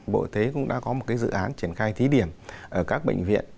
bộ thế cũng đã có một dự án triển khai thí điểm ở các bệnh viện